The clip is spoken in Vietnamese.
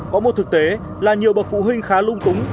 có một thực tế là nhiều bậc phụ huynh khá lung túng